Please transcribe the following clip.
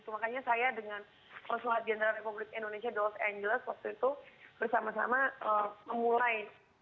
makanya saya dengan personal general republik indonesia di los angeles waktu itu bersama sama memulai